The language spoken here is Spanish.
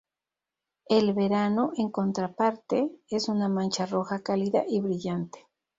El verano, en contraparte, es una mancha roja, cálida y brillante.